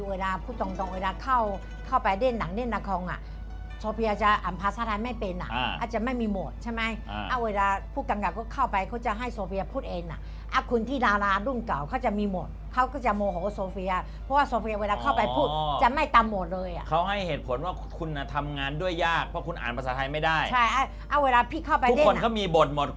เวลาเข้าฉะเราก็บอกเขาจะเด้นยังไง